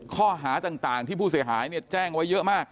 ข้อหาต่างที่ผู้เสียหายแจ้งไว้เยอะมาก